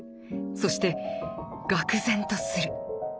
そしてがく然とする。